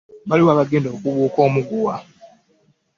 Baluwa abagenda okubuuka omuguwa.